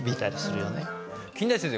金田一先生